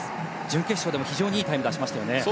準決勝でも非常にいいタイムを出しましたよね。